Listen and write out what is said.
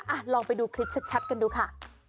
ลองไปดูคลิปชัดกันดูค่ะ